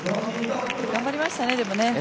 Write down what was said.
頑張りましたねでもね。